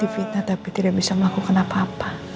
fitnah tapi tidak bisa melakukan apa apa